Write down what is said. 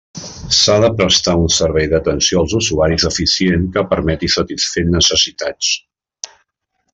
S'ha de prestar un servei d'atenció als usuaris eficient que permeti satisfer necessitats.